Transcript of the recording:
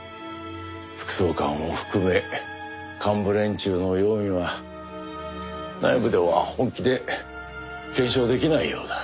副総監を含め幹部連中の容疑は内部では本気で検証出来ないようだ。